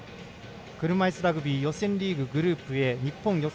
車いすラグビー予選リーググループＡ、日本予選